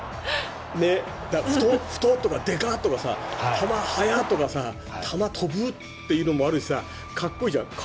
太っ！とかデカ！とか速っ！とか球、飛ぶというのもあるしかっこいいじゃん。